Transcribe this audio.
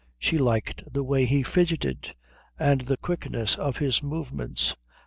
She liked the way he fidgeted, and the quickness of his movements.